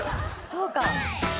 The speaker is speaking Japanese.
そうか。